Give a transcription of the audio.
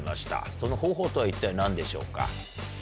その方法とは一体何でしょうか？